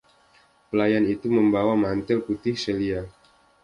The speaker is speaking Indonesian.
Pelayan itu membawa mantel putih Celia.